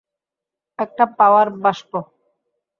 একটা power bump!